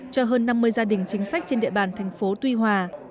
cho hơn năm mươi gia đình chính sách trên địa bàn thành phố tuy hòa